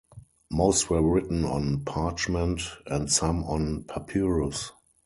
Most were written on parchment and some on papyrus.